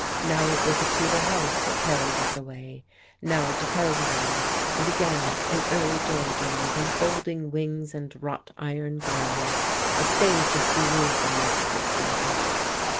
Now it was a Tudor house that carried us away, now a Jacobean, and again an early Georgian with enfolding wings and a wrought iron grill. A stage of bewilderment succeeded.